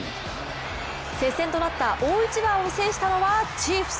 接戦となった大一番を制したのはチーフス。